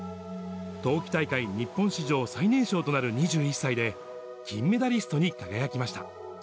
冬季大会日本史上最年少となる２１歳で、金メダリストに輝きました。